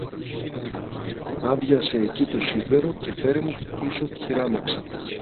άδειασε εκει το σίδερο και φέρε μου πίσω τη χειράμαξα.